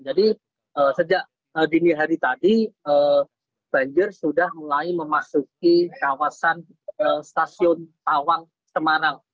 jadi sejak dini hari tadi banjir sudah mulai memasuki kawasan stasiun tawang semarang